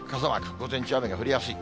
午前中、雨が降りやすい。